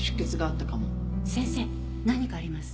先生何かあります。